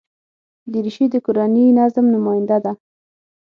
دریشي د کورني نظم نماینده ده.